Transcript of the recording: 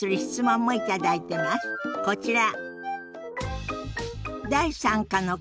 こちら。